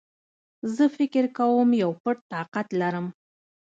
زه فکر کوم يو پټ طاقت لرم